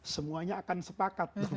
semuanya akan sepakat